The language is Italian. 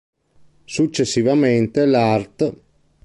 Successivamente, l'art.